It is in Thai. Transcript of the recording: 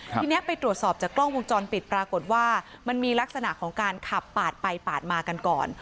ทีนี้ไปตรวจสอบจากกล้องวงจรปิดปรากฏว่ามันมีลักษณะของการขับปาดไปปาดมากันก่อน